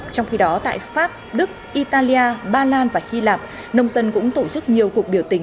trong khi đó tại pháp đức italia ba lan và hy lạp nông dân cũng tổ chức nhiều cuộc biểu tình